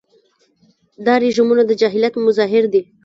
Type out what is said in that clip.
دا رژیمونه د جاهلیت مظاهر دي.